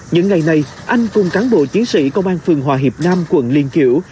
những ngày này anh cùng cán bộ chiến sĩ công an phường hòa hiệp nam quận liên kiểu